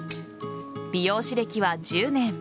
美容師歴は１０年。